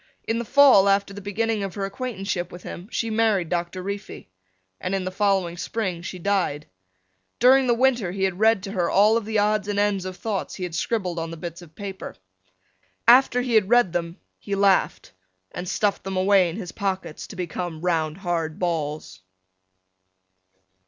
In the fall after the beginning of her acquaintanceship with him she married Doctor Reefy and in the following spring she died. During the winter he read to her all of the odds and ends of thoughts he had scribbled on the bits of paper. After he had read them he laughed and stuffed them away in his pockets to become round hard balls.